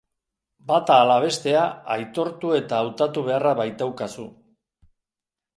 Bata ala bestea aitortu eta hautatu beharra baitaukazu.